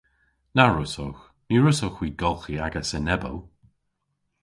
Na wrussowgh. Ny wrussowgh hwi golghi agas enebow.